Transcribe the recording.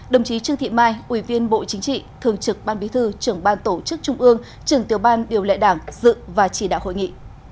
đồng chí trương thị mai ủy viên bộ chính trị thường trực ban bí thư trưởng ban tổ chức trung ương trưởng tiểu ban điều lệ đảng dự và chỉ đạo hội nghị